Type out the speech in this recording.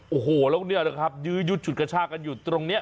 โอ้โหแล้วเนี่ยนะครับยื้อยุดฉุดกระชากันอยู่ตรงนี้